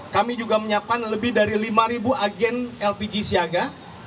kami juga menyiapkan lebih dari lima agen lpg siaga